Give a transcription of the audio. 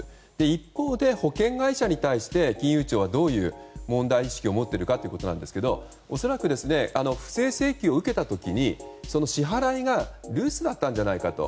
一方で、保険会社に対して金融庁はどういう問題意識を持っているかということなんですが恐らく、不正請求を受けた時に支払いがルーズだったんじゃないかと。